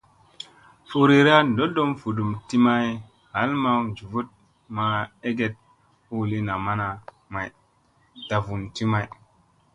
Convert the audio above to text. Furira ndoɗom vudum ti may, ɦal maŋ njuvut ma eget huu lii namana may, dafun ti may.